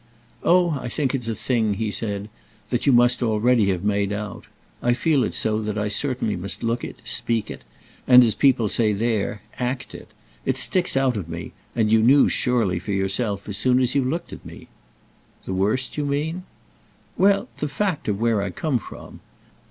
"Oh I think it's a thing," he said, "that you must already have made out. I feel it so that I certainly must look it, speak it, and, as people say there, 'act' it. It sticks out of me, and you knew surely for yourself as soon as you looked at me." "The worst, you mean?" "Well, the fact of where I come from.